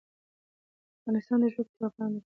د افغانستان جلکو د افغانانو د ګټورتیا برخه ده.